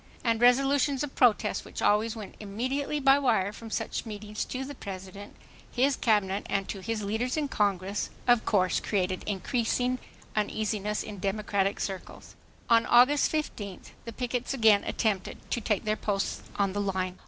And resolutions of protest which always went immediately by wire from such meetings to the President, his cabinet and to his leaders in Congress, of course created increasing uneasiness in Democratic circles. On August 15th the pickets again attempted to take their posts on the line.